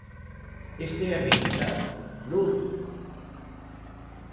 Esta é a realidade, ¿non?